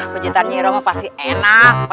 pencintaan nyi roh pasti enak